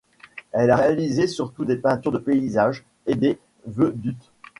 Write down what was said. Elle a réalisé surtout des peintures de paysages et des vedute.